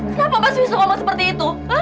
kenapa mas wisnu ngomong seperti itu